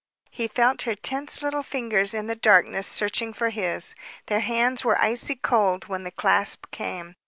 He felt her tense little fingers in the darkness searching for his. Their hands were icy cold when the clasp came.